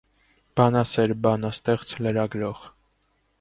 Բանասէր, բանաստեղծ, լրագրող։